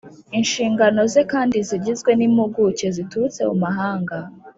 Inshingano ze kandi zigizwe n’impuguke ziturutse mu mahanga